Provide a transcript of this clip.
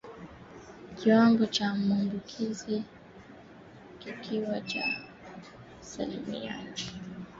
Kiwango cha maambukizi kikiwa cha asilimia nukta tisa